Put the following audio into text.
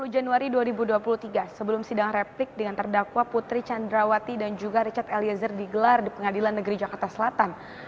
dua puluh januari dua ribu dua puluh tiga sebelum sidang replik dengan terdakwa putri candrawati dan juga richard eliezer digelar di pengadilan negeri jakarta selatan